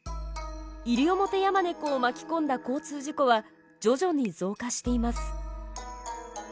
イリオモテヤマネコを巻き込んだ交通事故は徐々に増加しています。